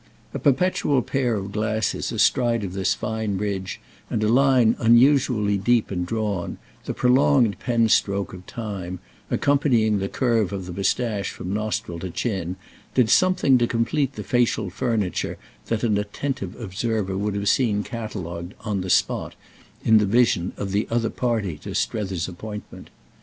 A perpetual pair of glasses astride of this fine ridge, and a line, unusually deep and drawn, the prolonged pen stroke of time, accompanying the curve of the moustache from nostril to chin, did something to complete the facial furniture that an attentive observer would have seen catalogued, on the spot, in the vision of the other party to Strether's appointment.